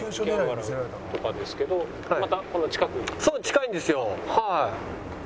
そう近いんですよはい。